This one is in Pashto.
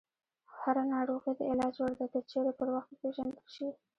هره ناروغي د علاج وړ ده، که چیرې پر وخت وپېژندل شي.